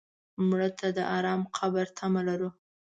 مړه ته د ارام قبر تمه لرو